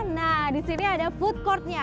nah disini ada food courtnya